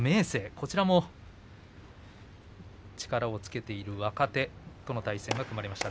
こちらも力をつけている若手との対戦が組まれました。